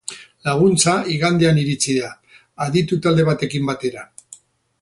Laguntza igandean iritsi da, aditu talde batekin batera.